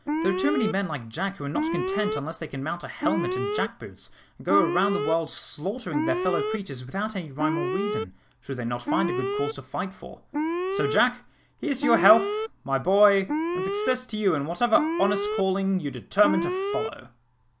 There are too many men like Jack who are not content unless they can mount a helmet and jackboots, and go about the world slaughtering their fellow creatures without rhyme or reason, should they not find a good cause to fight for. So, Jack, here's to your health, my boy, and success to you in whatever honest calling you determine to follow!"